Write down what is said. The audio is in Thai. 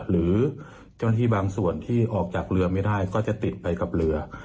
หรือเจ้าหน้าที่บางส่วนที่ออกจากเรือไม่ได้ก็จะติดไปกับเรือ